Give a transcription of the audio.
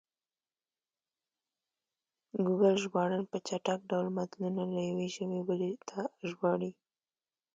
ګوګل ژباړن په چټک ډول متنونه له یوې ژبې بلې ته ژباړي.